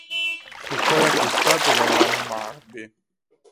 Fu poi acquistato dall'Hammarby.